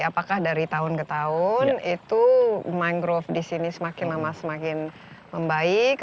apakah dari tahun ke tahun itu mangrove di sini semakin lama semakin membaik